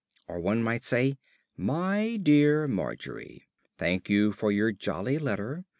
Or one might say, "MY DEAR MARGERY, Thank you for your jolly letter.